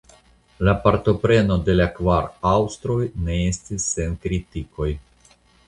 La partopreno de la kvar aŭstroj ne estis sen kritikoj.